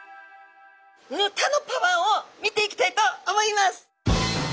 ヌタのパワーを見ていきたいと思います！